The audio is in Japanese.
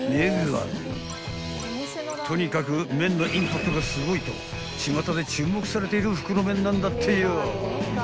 ［とにかく麺のインパクトがすごいとちまたで注目されている袋麺なんだってよ］